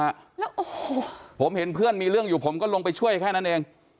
แล้วโอ้โหผมเห็นเพื่อนมีเรื่องอยู่ผมก็ลงไปช่วยแค่นั้นเอง